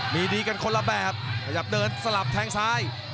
มีดีกันคนละแบบขยับเดินสลับแทงซ้าย